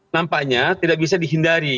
nampaknya tidak bisa dihindari